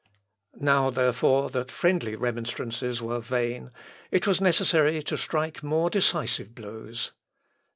Now, therefore, that friendly remonstrances were vain, it was necessary to strike more decisive blows.